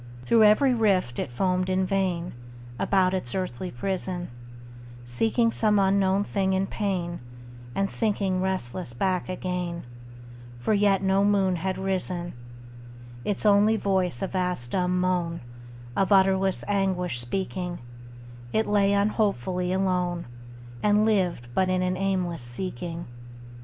Through every rift it foamed in vain, About its earthly prison, Seeking some unknown thing in pain, And sinking restless back again, For yet no moon had risen: Its only voice a vast dumb moan, Of utterless anguish speaking, It lay unhopefully alone, And lived but in an aimless seeking.